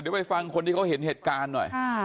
เดี๋ยวไปฟังคนที่เขาเห็นเหตุการณ์หน่อย